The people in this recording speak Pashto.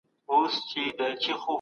اسلام د انسانيت د نېکمرغۍ ضامن دی.